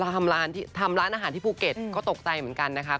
ทำร้านอาหารที่ภูเก็ตก็ตกใจเหมือนกันนะคะ